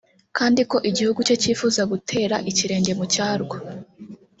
kandi ko igihugu cye cyifuza gutera ikirege mu cyarwo